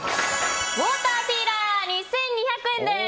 ウォーターピーラー２２００円です。